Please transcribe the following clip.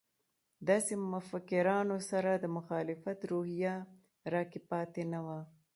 داسې مفکرانو سره د مخالفت روحیه راکې پاتې نه وه.